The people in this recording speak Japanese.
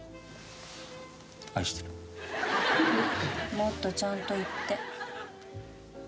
もっとちゃんと言って。